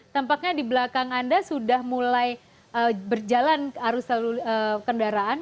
tampaknya di belakang anda sudah mulai berjalan arus lalu kendaraan